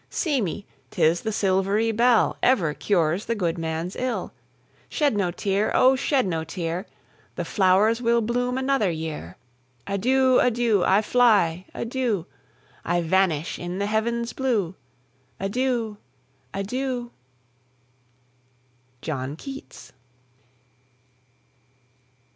See me! 'tis this silvery bell Ever cures the good man's ill. Shed no tear! O, shed no tear! The flowers will bloom another year. Adieu, adieu I fly, adieu, I vanish in the heaven's blue Adieu, adieu! JOHN KEATS.